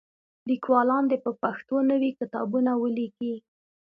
لیکوالان دې په پښتو نوي کتابونه ولیکي.